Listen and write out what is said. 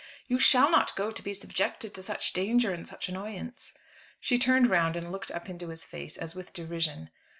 You shall not go to be subjected to such danger and such annoyance." She turned round, and looked up into his face as with derision.